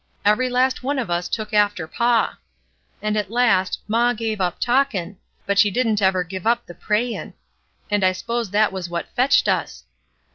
Every last one of us took after paw. And at last, maw give up talkin', but she didn't ever give up the prayin' ; and I s'pose that was what fetched us.